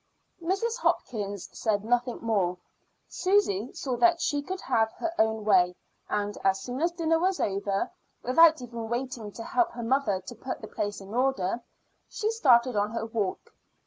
Mrs. Hopkins said nothing more. Susy saw that she could have her own way, and as soon as dinner was over, without even waiting to help her mother to put the place in order, she started on her walk.